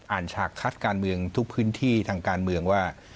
ฉากคัดการเมืองทุกพื้นที่ทางการเมืองว่า